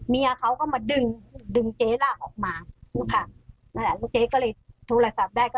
เมียเค้าก็มาดึงเจ๊ล่าออกมาเนอะค่ะแต่แล้วเจ๊ก็เลย